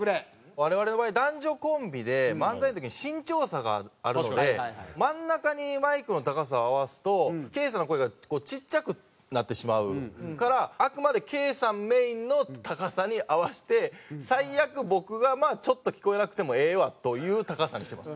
我々の場合男女コンビで漫才の時に身長差があるので真ん中にマイクの高さを合わすとケイさんの声がちっちゃくなってしまうからあくまでケイさんメインの高さに合わせて最悪僕がまあちょっと聞こえなくてもええわという高さにしてます。